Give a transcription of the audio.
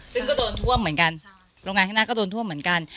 ซึ่งก็โดนท่วมเหมือนกันโรงงานข้างหน้าก็โดนท่วมเหมือนกัน